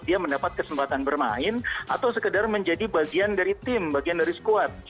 dia mendapat kesempatan bermain atau sekedar menjadi bagian dari tim bagian dari squad